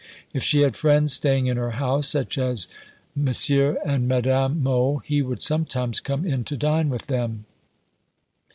If she had friends staying in her house such as M. and Madame Mohl he would sometimes come in to dine with them.